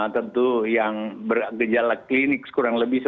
tentu yang bergejala klinik kurang lebih